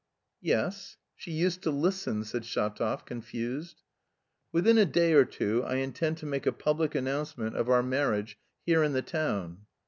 "Yes... she used to listen..." said Shatov, confused. "Within a day or two I intend to make a public announcement of our marriage here in the town."